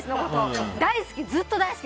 大好き、ずっと大好き！